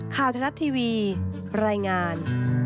ค่าวทะลัดทีวีบรรยายงาน